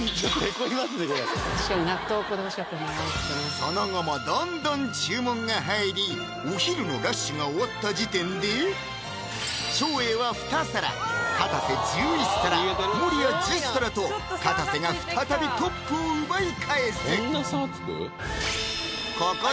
その後もどんどん注文が入りお昼のラッシュが終わった時点で照英は２皿かたせ１１皿守屋１０皿とかたせが再びトップを奪い返すここで